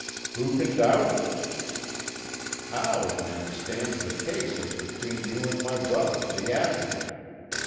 "Who can doubt it?" "How, then, stands the case as between you and my brother the Advocate?